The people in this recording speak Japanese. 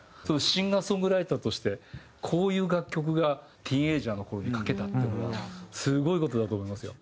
シンガー・ソングライターとしてこういう楽曲がティーン・エイジャーの頃に書けたっていうのがすごい事だと思いますよ。